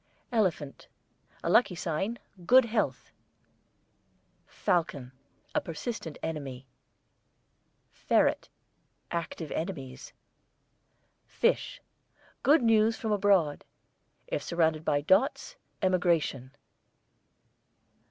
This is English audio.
ELEPHANT, a lucky sign; good health. FALCON, a persistent enemy. FERRET, active enemies. FISH, good news from abroad; if surrounded by dots, emigration.